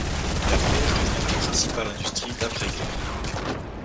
La pêche devient la principale industrie d'après-guerre.